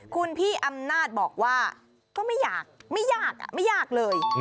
คุณพี่อำนาจบอกว่าก็ไม่อยากไม่ยากไม่ยากเลย